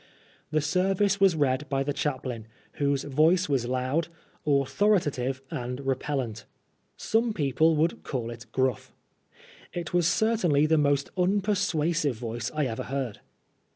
The service was read by the chaplain, whose voice was loud, authoritative, and repellant. Some people would call it gruff. It was certainly the most unpersuasive voice I ever heard.